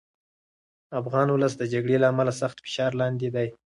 افغان ولس د جګړې له امله سخت فشار لاندې دی.